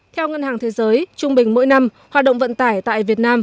theo ngân hàng thế giới trung bình mỗi năm hoạt động vận tải tại việt nam